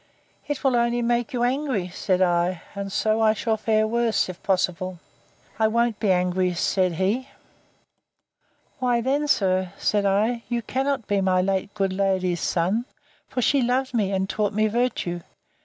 It will only make you angry, said I; and so I shall fare worse, if possible. I won't be angry, said he. Why, then, sir, said I, you cannot be my late good lady's son; for she loved me, and taught me virtue.